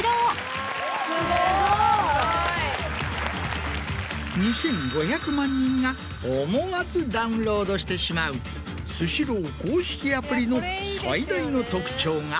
・すごい・２５００万人が思わずダウンロードしてしまうスシロー公式アプリの最大の特徴が。